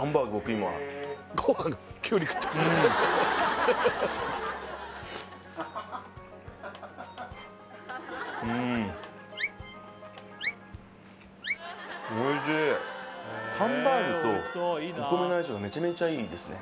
今うんうんおいしいハンバーグとお米の相性がめちゃめちゃいいですね